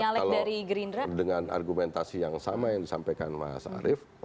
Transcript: kalau dengan argumentasi yang sama yang disampaikan mas arief